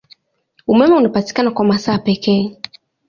Umeme unapatikana kwa masaa pekee.